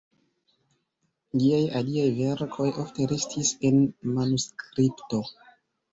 Liaj aliaj verkoj ofte restis en manuskripto.